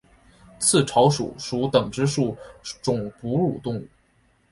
刺巢鼠属等之数种哺乳动物。